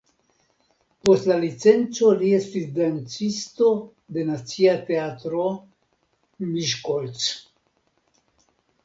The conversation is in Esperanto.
Post la licenco li estis dancisto de Nacia Teatro (Miskolc).